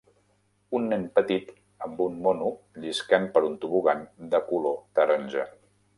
Un nen petit amb un mono lliscant per un tobogan de color taronja